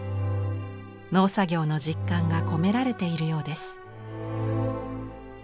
農作業の実感が込められているようです。